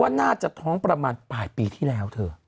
น่าจะท้องประมาณปลายปีที่แล้วเธอ